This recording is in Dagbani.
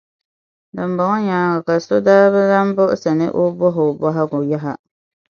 Dimbɔŋɔ nyaaŋa ka so daa bi lan buɣisi ni o bɔh’ o bɔhigu yaha.